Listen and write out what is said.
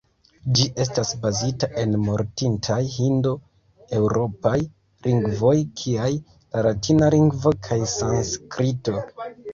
Ĝi estas bazita en mortintaj hindo-eŭropaj lingvoj kiaj la latina lingvo kaj sanskrito.